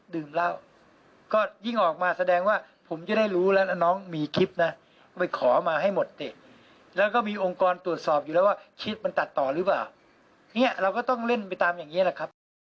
เราก็ต้องเล่นไปตามอย่างนี้แหละครับ